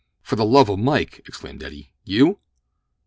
"For the love o' Mike!" exclaimed Eddie. "You?"